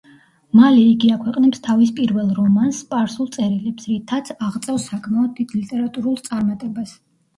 მალე იგი აქვეყნებს თავის პირველ რომანს, „სპარსულ წერილებს“, რითაც აღწევს საკმაოდ დიდ ლიტერატურულ წარმატებას.